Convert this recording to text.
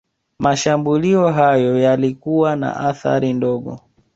Mashambulio hayo yalikuwa na athari ndogo